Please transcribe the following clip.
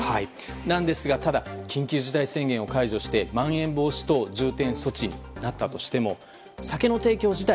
なのですが緊急事態宣言を解除してまん延防止等重点措置になったとしても酒の提供自体